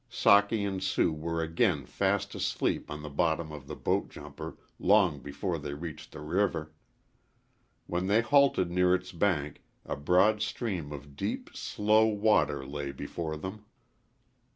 Socky and Sue were again fast asleep on the bottom of the boat jumper long before they reached the river. When they halted near its bank a broad stream of deep, slow water lay before them.